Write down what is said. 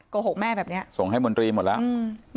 โกหกแม่แบบเนี้ยส่งให้มนตรีหมดแล้วอืม